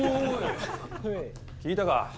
聞いたか？